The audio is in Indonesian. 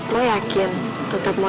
lo yakin tetap mau